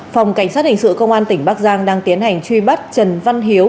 phòng cảnh sát hình sự công an tỉnh bắc giang đang tiến hành truy bắt trần văn hiếu